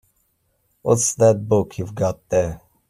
What's that book you've got there?